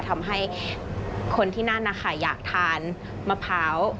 ทำให้คนที่นั่นนะคะอยากทานมะพร้าว